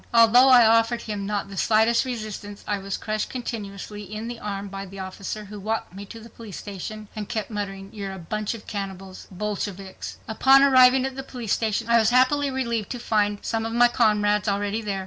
Although I offered not the slightest resistance, I was crushed continuously in the arm by the officer who walked me to the police station, and kept muttering: "You're a bunch of cannibals,—cannibals,—Bolsheviks." Upon arriving at the police station I was happily relieved to find eve of my comrades already there.